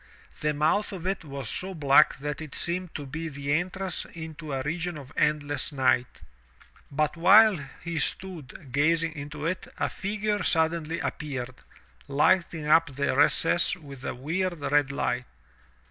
The mouth of it was so black that it seemed to be the entrance into a region of endless night. But while he stood, 202 THROUGH FAIRY HALLS gazing into it, a figure suddenly appeared, lighting up the recess with a weird, red hght.